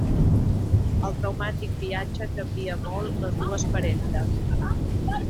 El traumàtic viatge canvia molt les dues parentes.